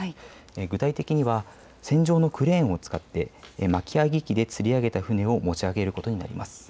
具体的には船上のクレーンを使って巻き上げ機でつり上げた船を持ち上げることになります。